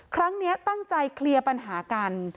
ครั้งนี้ตั้งใจเคลียร์ปัญหากัน